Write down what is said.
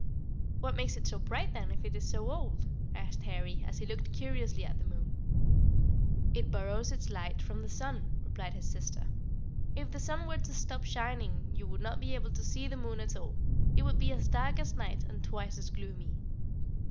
"What makes it so bright, then, if it is so old?" asked Harry, as he looked curiously at the moon. "It borrows its light from the sun," replied his sister; "if the sun were to stop shining you would not be able to see the moon at all. It would be as dark as night and twice as gloomy."